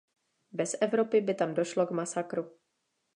Bez Evropy by tam došlo k masakru.